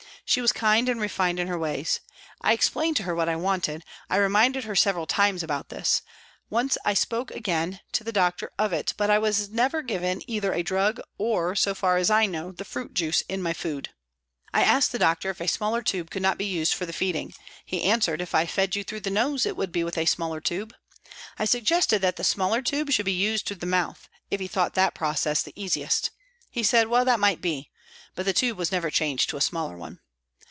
She was kind and refined in her ways. I explained to her what I wanted, I reminded her several times about this ; once I spoke again to the doctor of it, but I was never given either a drug, or, so far as I know, the fruit juice in my food. I asked the doctor if a smaller tube could not be used for the feeding. He answered, " If I fed you through the nose it would be with a smaller tube." I suggested that the smaller tube should be used through the mouth, if he thought that process the easiest. He said, " Well, that might be," but the tube was never changed to a smaller one.